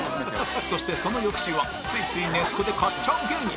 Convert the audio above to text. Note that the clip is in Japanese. そしてその翌週はついついネットで買っちゃう芸人